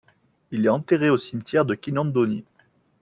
Il est enterré au cimetière de Kinondoni.